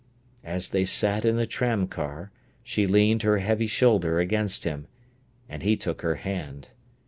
As they sat in the tram car, she leaned her heavy shoulder against him, and he took her hand.